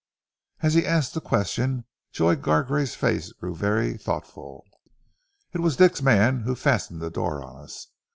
As he asked the question Joy Gargrave's face grew very thoughtful. "It was Dick's man who fastened the door on us.